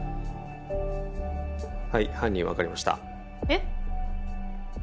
はい犯人分かりましたえっ？